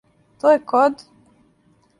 То је код?